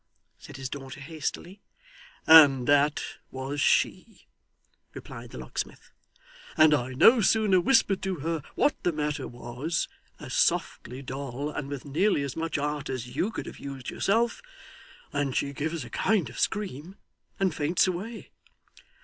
said his daughter hastily. 'And that was she,' replied the locksmith; 'and I no sooner whispered to her what the matter was as softly, Doll, and with nearly as much art as you could have used yourself than she gives a kind of scream and faints away.